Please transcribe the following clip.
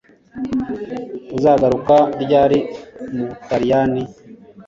Uzagaruka ryari mu Butaliyani